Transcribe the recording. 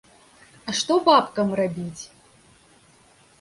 А што бабкам рабіць?